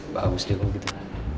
bagus deh lo gitu